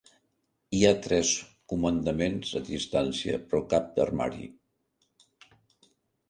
Hi ha tres comandaments a distància, però cap armari.